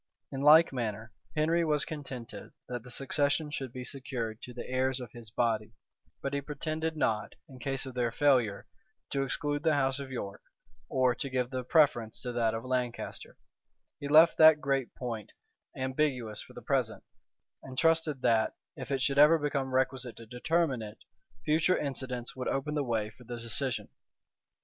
In like manner, Henry was contented that the succession should be secured to the heirs of his body; but he pretended not, in case of their failure, to exclude the house of York or to give the preference to that of Lancaster: he left that great point ambiguous for the present, and trusted that, if it should ever become requisite to determine it, future incidents would open the way for the decision.